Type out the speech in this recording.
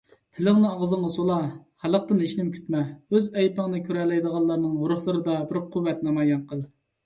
تىلىڭنى ئاغزىڭغا سولا، خەلقتىن ھېچنېمە كۈتمە، ئۆز ئەيىبىڭنى كۆرەلەيدىغانلارنىڭ روھلىرىدا بىر قۇۋۋەت نامايان قىل.